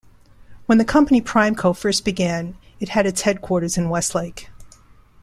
When the company PrimeCo first began, it had its headquarters in Westlake.